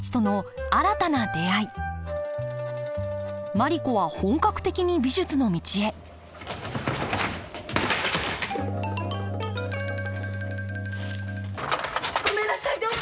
マリ子は本格的に美術の道へごめんなさい！